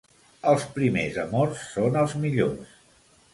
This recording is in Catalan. Els primers amors són els millors.